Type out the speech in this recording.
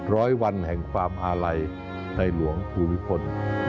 ร้อยวันแห่งความอาลัยในหลวงภูมิพล